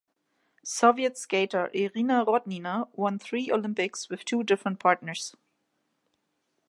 Soviet skater Irina Rodnina won three Olympics with two different partners.